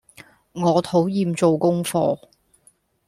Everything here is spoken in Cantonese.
我討厭做功課